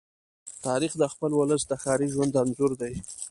تاریخ د خپل ولس د ښاري ژوند انځور دی.